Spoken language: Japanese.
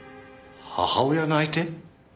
母親の相手？